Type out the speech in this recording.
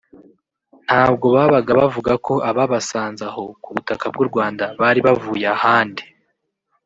ntabwo babaga bavuga ko ababasanze aho ku butaka bw’u Rwanda bari bavuye ahandi